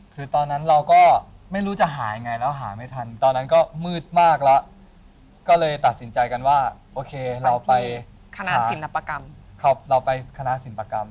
คือตอนนั้นเราก็ไม่รู้จะหายังไงแล้วหาไม่ทันตอนนั้นก็มืดมากแล้วก็เลยตัดสินใจกันว่าโอเคเราไปคณะศิลปกรรมเราไปคณะศิลปกรรม